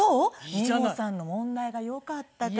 美穂さんの問題がよかったからよ。